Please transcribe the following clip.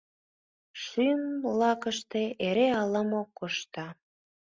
Шӱм лакыште эре ала-мо коршта...